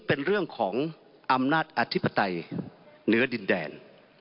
เป็นเรื่องของอำนาจอธิปไตยเหนือดินแดน